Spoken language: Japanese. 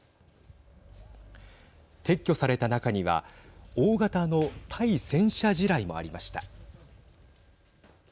撤去された中には大型の対戦車地雷もありました。